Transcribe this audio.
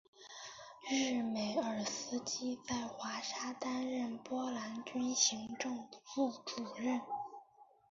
日梅尔斯基在华沙担任波兰军行政副主任。